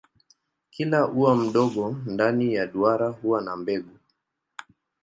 Kila ua mdogo ndani ya duara huwa na mbegu.